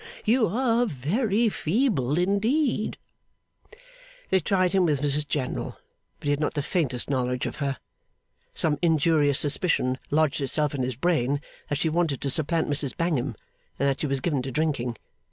You are very feeble indeed.' They tried him with Mrs General, but he had not the faintest knowledge of her. Some injurious suspicion lodged itself in his brain, that she wanted to supplant Mrs Bangham, and that she was given to drinking.